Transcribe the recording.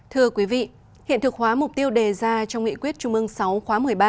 thưa quý vị hiện thực hóa mục tiêu đề ra trong nghị quyết trung ương sáu khóa một mươi ba